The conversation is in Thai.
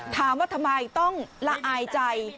ถามว่าทำไมต้องละอายใจ